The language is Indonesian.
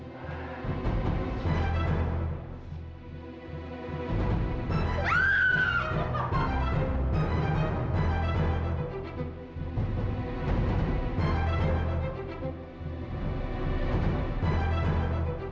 katanya lu dulu